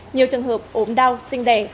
nhiều trường hợp ốm đau sinh đẻ